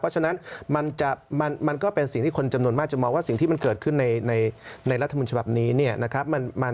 เพราะฉะนั้นมันก็เป็นสิ่งที่คนจำนวนมากจะมองว่าสิ่งที่มันเกิดขึ้นในรัฐมนต์ฉบับนี้เนี่ยนะครับ